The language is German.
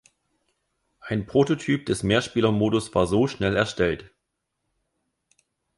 Ein Prototyp des Mehrspielermodus war so schnell erstellt.